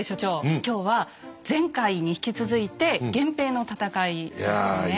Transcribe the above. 今日は前回に引き続いて「源平の戦い」ですね。